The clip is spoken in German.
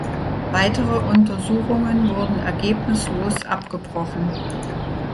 Weitere Untersuchungen wurden ergebnislos abgebrochen.